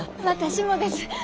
私もです。